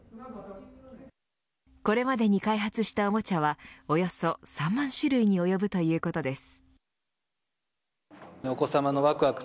これまでに開発したおもちゃはおよそ３万種類に及ぶということです。